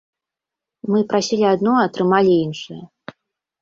Мы прасілі адно, а атрымалі іншае.